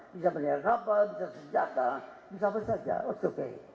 bisa menyiar kapal bisa senjata